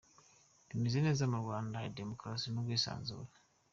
bimeze neza mu Rwanda, hari demokarasi n’ubwisanzure.